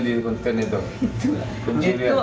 tapi orang itu ini pencurian itu